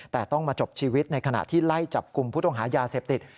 แต่ต้องมาจบชีวิตในขณะที่ไล่จับกลุ่มผู้ต้องหายาเสพติด